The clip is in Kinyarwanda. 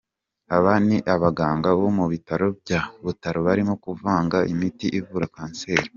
Aba ni abaganga bo mu bitaro bya Butaro barimo kuvanga imiti ivura kanseri.